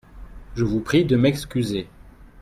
Je vous prie de m'excuser.